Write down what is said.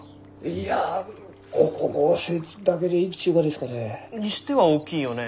いや光合成だけで生きちゅうがですかね？にしては大きいよね。